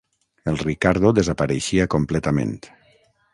El Riccardo desapareixia completament...